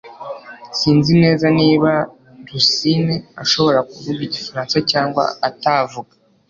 Sinzi neza niba Rusine ashobora kuvuga Igifaransa cyangwa atavuga